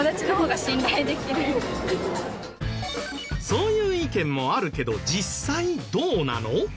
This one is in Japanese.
そういう意見もあるけど実際どうなの？